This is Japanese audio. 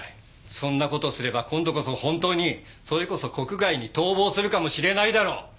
そんな事をすれば今度こそ本当にそれこそ国外に逃亡するかもしれないだろ！